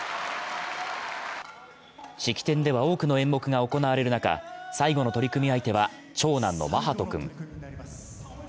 式典では多くの演目が行われる中、最後の取組相手は長男の眞羽人君。